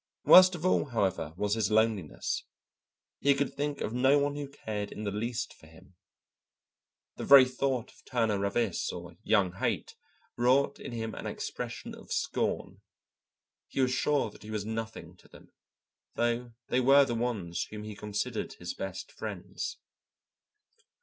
Worst of all, however, was his loneliness. He could think of no one who cared in the least for him; the very thought of Turner Ravis or young Haight wrought in him an expression of scorn. He was sure that he was nothing to them, though they were the ones whom he considered his best friends.